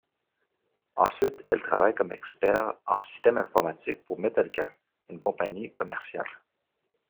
Ensuite, elle travaille comme expert en système informatique pour Metalka, une compagnie commerciale.